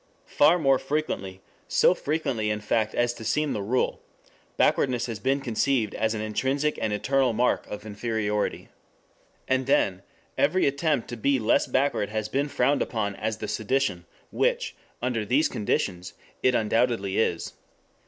Far more frequently, so frequently in fact as to seem the rule, backwardness has been conceived as an intrinsic and eternal mark of inferiority. And then every attempt to be less backward has been frowned upon as the sedition, which, under these conditions, it undoubtedly is.